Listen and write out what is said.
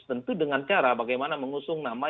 tentu dengan cara bagaimana mengusung nama